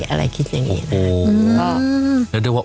อะไรคิดอย่างนี้นะครับ